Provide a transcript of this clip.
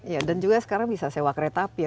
iya dan juga sekarang bisa sewa kereta api ya